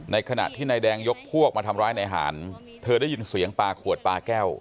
ขณะที่นายแดงยกพวกมาทำร้ายนายหารเธอได้ยินเสียงปลาขวดปลาแก้ว